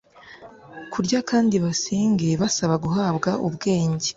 kurya kandi basenge basaba guhabwa ubwenge